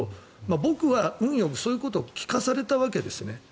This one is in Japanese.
僕は運よくそういうことを聞かされたわけですね。